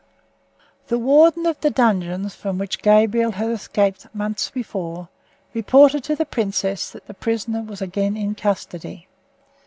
The warden of the dungeons from which Gabriel had escaped months before reported to the princess that the prisoner was again in custody.